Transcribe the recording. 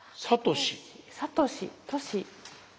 サトシトシ。